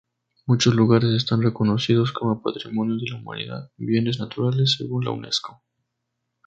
Muchos lugares están reconocidos como Patrimonio de la Humanidad: Bienes naturales según la Unesco.